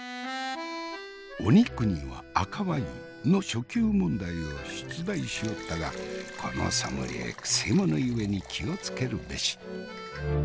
「お肉には赤ワイン」の初級問題を出題しよったがこのソムリエくせ者ゆえに気を付けるべし。